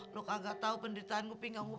lo kagak tau penderitaan gue pinggang gue